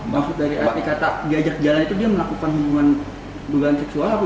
maksud dari arti kata diajak jalan itu dia melakukan hubungan seksual aku